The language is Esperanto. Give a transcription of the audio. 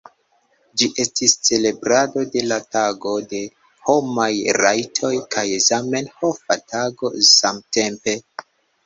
Ĝi estis celebrado de la Tago de Homaj Rajtoj kaj Zamenhofa Tago samtempe.